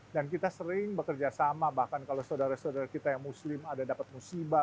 dan kita sering bekerja sama bahkan kalau saudara saudara kita yang muslim ada dapat musibah